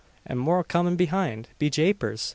an more comin' behind! Be japers!